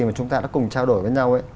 mà chúng ta đã cùng trao đổi với nhau